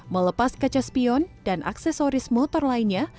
melepas kecespion dan aksesoris motor lainnya